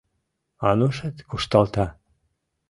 - Анушет кушталта.